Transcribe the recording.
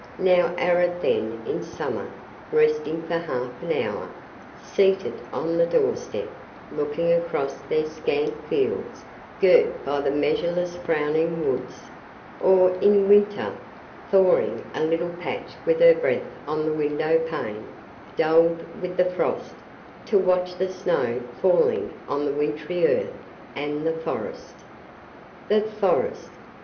Now arid then in summer resting for half an hour, seated on the door step, looking across their scant fields girt by the measureless frowning woods; or in winter thawing a little patch with her breath on the windowpane, dulled with frost, to watch the snow falling on the wintry earth and the forest ... The forest